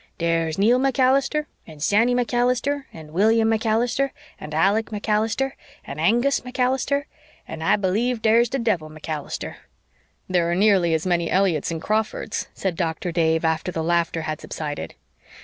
'Dare's Neil MacAllister and Sandy MacAllister and William MacAllister and Alec MacAllister and Angus MacAllister and I believe dare's de Devil MacAllister.'" "There are nearly as many Elliotts and Crawfords," said Doctor Dave, after the laughter had subsided.